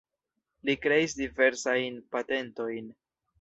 Li kreis diversajn patentojn.